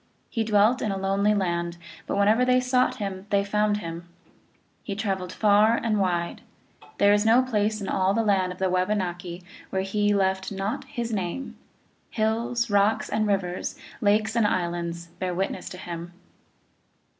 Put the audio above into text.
He dwelt in a lonely land, but whenever they sought him they found him. 2 He traveled far and wide : there is no place in all the land of the Wabanaki where he left not his name ; hills, rocks and rivers, lakes and islands, bear witness to him.